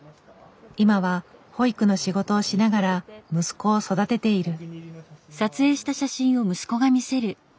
今は保育の仕事をしながら息子を育てている。